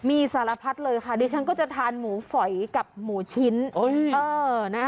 มีสารพัดเลยค่ะดิฉันก็จะทานหมูฝอยกับหมูชิ้น